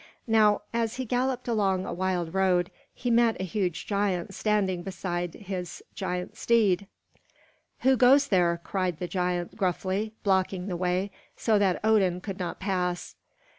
Now as he galloped along a wild road, he met a huge giant standing beside his giant steed. "Who goes there?" cried the giant gruffly, blocking the way so that Odin could not pass.